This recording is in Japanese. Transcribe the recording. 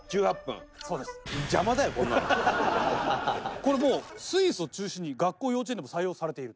これもうスイスを中心に学校や幼稚園でも採用されている。